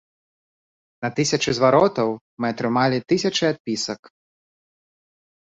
На тысячы зваротаў мы атрымалі тысячы адпісак.